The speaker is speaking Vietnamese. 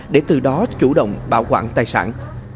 để từ đó chủ động bảo quản tài sản